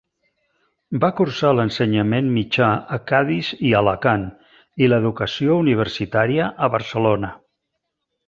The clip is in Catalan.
Va cursar l'ensenyament mitjà a Cadis i Alacant, i l'educació universitària a Barcelona.